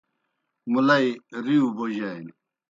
مُلئی رِیؤ بوجانیْ۔